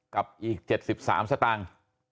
กับอีก๗๓สตางค์